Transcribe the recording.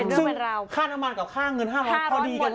ซึ่งค่าน้ำมันกับค่าเงิน๕๐๐พอดีกันเลย